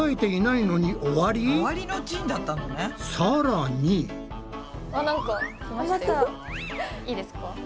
いいですか？